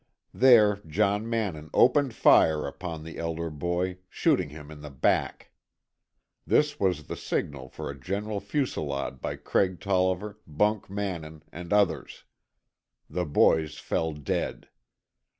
There John Mannin opened fire upon the elder boy, shooting him in the back. This was the signal for a general fusilade by Craig Tolliver, Bunk Mannin and others. The boys fell dead.